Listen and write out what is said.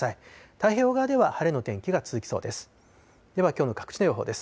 太平洋側では晴れの天気が続きそうです。